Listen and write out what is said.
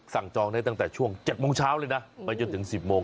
จองได้ตั้งแต่ช่วง๗โมงเช้าเลยนะไปจนถึง๑๐โมง